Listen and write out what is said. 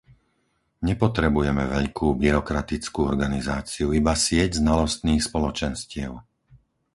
Nepotrebujeme veľkú byrokratickú organizáciu, iba sieť znalostných spoločenstiev.